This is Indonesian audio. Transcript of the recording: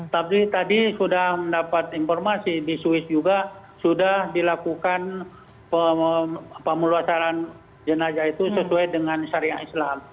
tapi tadi sudah mendapat informasi di swiss juga sudah dilakukan pemulasaran jenazah itu sesuai dengan syariah islam